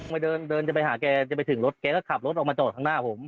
มาเดินจะไปหาแกจะไปถึงรถแกก็ขับรถออกมาจอดข้างหน้าผม